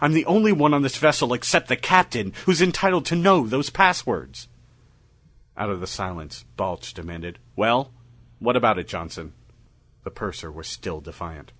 I'm the only one on this vessel except the Captain who's entitled to know those passwords!" Out of the silence, Balch demanded, "Well, what about it, Johnson?" The purser was still defiant.